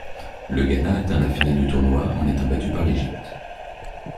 Le Ghana atteint la finale du tournoi, en étant battue par l'Égypte.